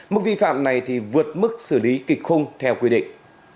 mức vi phạm này thì vượt mức xử lý kịch khung theo quy định